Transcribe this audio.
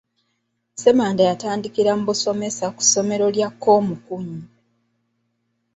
Ssemanda yatandikira mu busomesa ku ssomero lya Komukunyi.